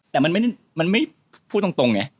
แต่มันไม่พูดตรงไง